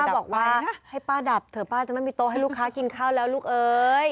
บอกว่าให้ป้าดับเถอะป้าจะไม่มีโต๊ะให้ลูกค้ากินข้าวแล้วลูกเอ้ย